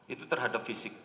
itu terhadap fisik